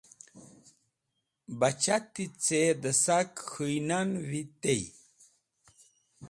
Bachati ce dẽ sak k̃hũynan’vi tey.